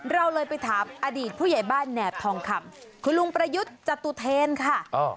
เราเลยไปถามอดีตผู้ใหญ่บ้านแหนบทองคำคุณลุงประยุทธ์จตุเทนค่ะ